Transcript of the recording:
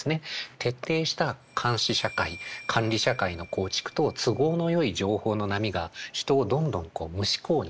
徹底した監視社会管理社会の構築と都合のよい情報の波が人をどんどん無思考にしていく。